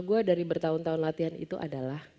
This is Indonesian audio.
gue dari bertahun tahun latihan itu adalah